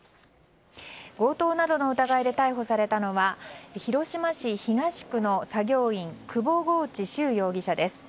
強盗などの疑いで逮捕されたのは広島市東区の作業員久保河内修容疑者です。